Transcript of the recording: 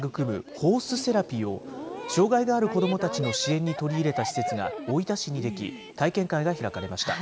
ホースセラピーを、障害がある子どもたちの支援に取り入れた施設が大分市に出来、体験会が開かれました。